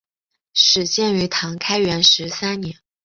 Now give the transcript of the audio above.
始建于唐开元十三年。